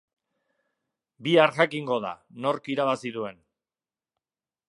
Bihar jakingo da nork irabazi duen.